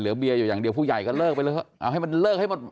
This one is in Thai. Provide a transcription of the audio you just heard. เบียร์อยู่อย่างเดียวผู้ใหญ่ก็เลิกไปเลยเอาให้มันเลิกให้หมด